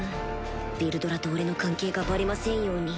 ヴェルドラと俺の関係がバレませんように